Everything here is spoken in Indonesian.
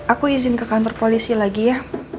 aku izin ke kantor polisi lagi ya